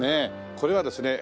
これはですね